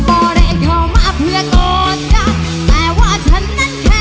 โอ้แต่ก็ไม่ค่อยเห็นลำไยด้วยนะคะ